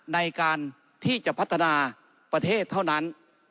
ในการที่จะพัฒนาประเทศเท่านั้น